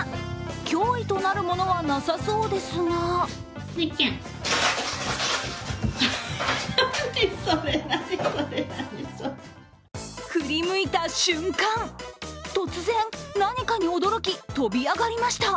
脅威となるものはなさそうですが振り向いた瞬間、突然、何かに驚き飛び上がりました。